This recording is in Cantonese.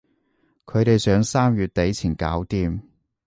佢哋想三月底前搞掂